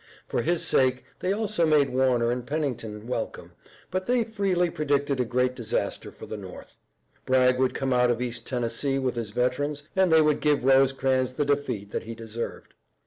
For his sake they also made Warner and Pennington welcome, but they freely predicted a great disaster for the North. Bragg would come out of East Tennessee with his veterans, and they would give Rosecrans the defeat that he deserved.